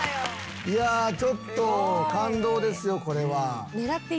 いやちょっと感動ですよこれは。